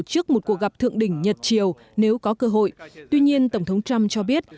tổ chức một cuộc gặp thượng đỉnh nhật triều nếu có cơ hội tuy nhiên tổng thống trump cho biết